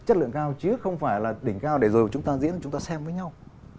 chất lượng cao chứ không phải là đỉnh cao để rồi chúng ta diễn chúng ta xem với nhau